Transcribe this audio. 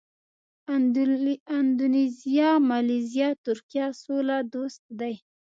اندونیزیا، مالیزیا، ترکیه سوله دوست دي.